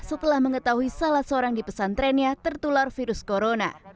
setelah mengetahui salah seorang di pesantrennya tertular virus corona